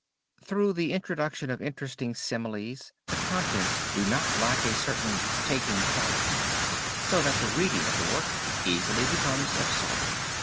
Through the introduction of interesting similes the contents do not lack a certain taking quality, so that the reading of the work easily becomes absorbing."